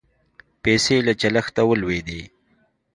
پیسې له چلښته ولوېدې.